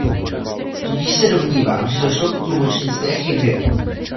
Tudíž se domnívám, že došlo k tlumočnické chybě.